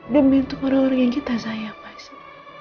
demi untuk orang orang yang kita sayang pasti